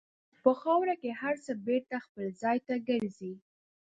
په خاوره کې هر څه بېرته خپل ځای ته ګرځي.